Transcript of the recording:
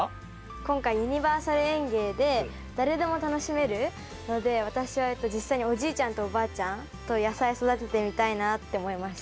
今回ユニバーサル園芸で誰でも楽しめるので私は実際におじいちゃんとおばあちゃんと野菜育ててみたいなって思いました。